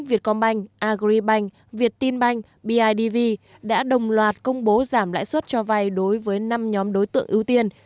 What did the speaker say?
vietcom bank agribank viettin bank bidv đã đồng loạt công bố giảm lãi suất cho vay đối với năm nhóm đối tượng ưu tiên